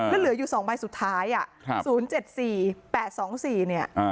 แล้วเหลืออยู่๒ใบสุดท้าย